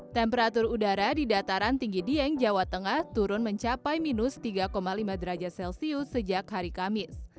temperatur udara di dataran tinggi dieng jawa tengah turun mencapai minus tiga lima derajat celcius sejak hari kamis